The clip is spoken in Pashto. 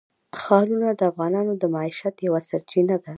ښارونه د افغانانو د معیشت یوه سرچینه ده.